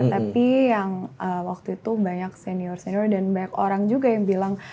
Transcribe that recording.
tapi yang waktu itu banyak senior senior dan banyak orang juga yang bilang